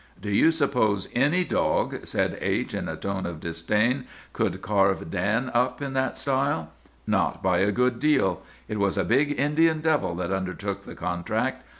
"'Do you suppose any dog,' said H—— in a tone of disdain, 'could carve Dan up in that style? Not by a good deal! It was a big Indian devil that undertook the contract.